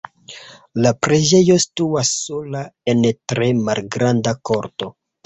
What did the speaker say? La preĝejo situas sola en tre malgranda korto.